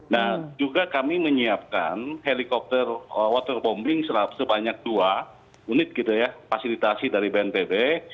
nah juga kami menyiapkan helikopter waterbombing sebanyak dua unit gitu ya fasilitasi dari bnpb